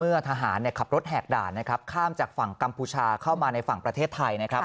เมื่อทหารขับรถแหกด่านข้ามจากฝั่งกัมพูชาเข้ามาในฝั่งประเทศไทย